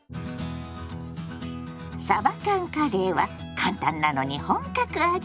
「さば缶カレー」は簡単なのに本格味。